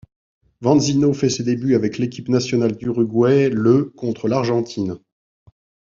Vanzzino fait ses débuts avec l'équipe nationale d'Uruguay le contre l'Argentine.